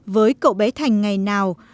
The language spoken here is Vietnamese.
với cậu bé thành ngày nào